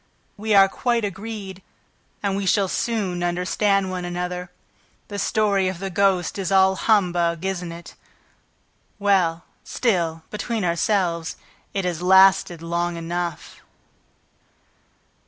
"We are quite agreed and we shall soon understand one another. The story of the ghost is all humbug, isn't it? ... Well, still between ourselves, ... it has lasted long enough."